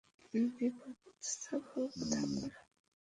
নির্বোধ ছাগল কোথাকার!